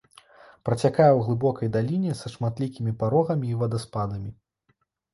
Працякае ў глыбокай даліне, са шматлікімі парогамі і вадаспадамі.